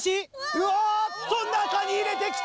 うわっと中に入れてきた！